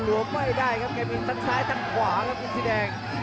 โหลือไม่ได้ครับแก่มีตั้งซ้ายตั้งขวาครับอีซีแดง